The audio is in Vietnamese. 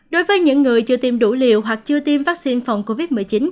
đối với những người chưa tiêm đủ liều hoặc chưa tiêm vaccine phòng covid một mươi chín